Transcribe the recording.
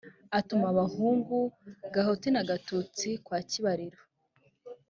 atuma abahungu gahutu na gatutsi kwa kibariro